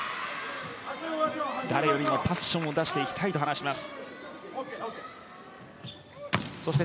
誰よりもパッションを出していきたいと話します。